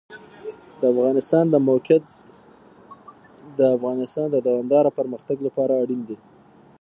د افغانستان د موقعیت د افغانستان د دوامداره پرمختګ لپاره اړین دي.